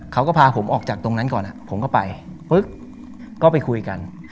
เขาก็พาผมออกจากตรงนั้นก่อนผมก็ไปปุ๊บก็ไปคุยกัน